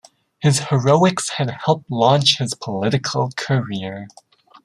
His heroics had helped launch his political career.